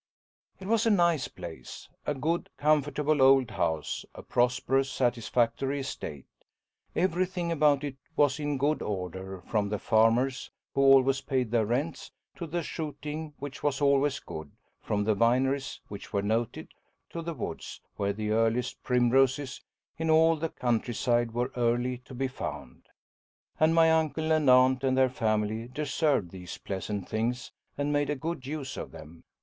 It was a nice place. A good comfortable old house, a prosperous, satisfactory estate. Everything about it was in good order, from the farmers, who always paid their rents, to the shooting, which was always good; from the vineries, which were noted, to the woods, where the earliest primroses in all the country side were yearly to be found. And my uncle and aunt and their family deserved these pleasant things and made a good use of them.